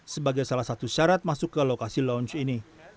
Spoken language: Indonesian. sebagai salah satu syarat masuk ke lokasi launch ini